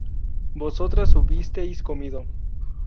vosotras hubisteis comido